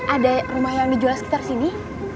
ada rumah yang dijual sekitar sini